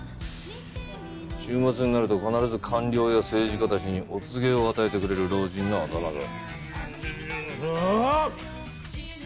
週末になると必ず官僚や政治家たちにお告げを与えてくれる老人のあだ名だ。